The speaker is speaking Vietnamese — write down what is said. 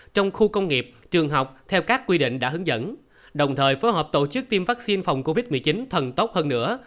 trong khu công nghiệp trường học theo các quy định đã hướng dẫn đồng thời phối hợp tổ chức tiêm vaccine phòng covid một mươi chín thần tốc hơn nữa